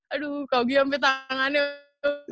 aduh ke augie sampe tangannya udah